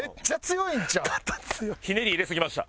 ひねり入れすぎました。